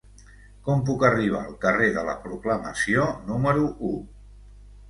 Com puc arribar al carrer de la Proclamació número u?